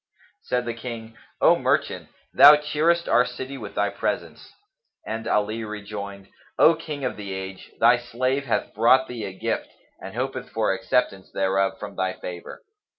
Said the King, "O merchant, thou cheerest our city with thy presence!" and Ali rejoined, "O King of the age, thy slave hath brought thee a gift and hopeth for acceptance thereof from thy favour."